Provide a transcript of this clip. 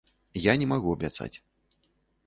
Я не магу абяцаць.